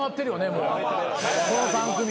もうこの３組は。